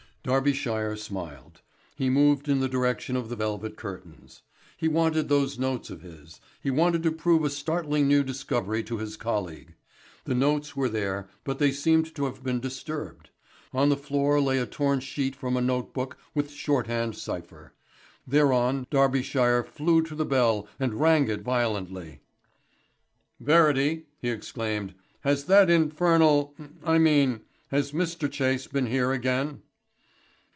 Darbyshire smiled. He moved in the direction of the velvet curtains. He wanted those notes of his; he wanted to prove a startling new discovery to his colleague. The notes were there, but they seemed to have been disturbed. On the floor lay a torn sheet from a notebook with shorthand cypher; thereon Darbyshire flew to the bell and rang it violently. "Verity," he exclaimed, "has that infernal I mean, has Mr Chase been here again?"